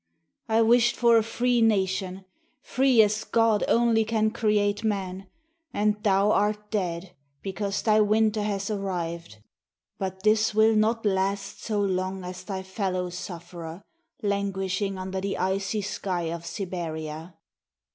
I wished for a free nation — free as God only can create man — and thou art dead, because thy winter has ar rived ; but this will not last so long as thy fellow sufferer, languishing under the icy sky of Siberia.